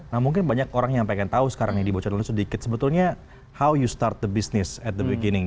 nah mungkin banyak orang yang pengen tahu sekarang nih dibocor dulu sedikit sebetulnya how you start the business at the beginning